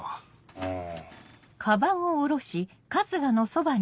うん。